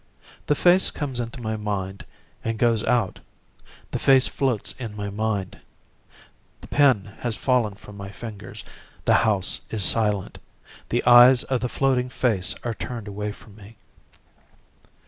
The face comes into my mind and goes out the face floats in my mind. The pen has fallen from my fingers. The house is silent. The eyes of the floating face are turned away from me.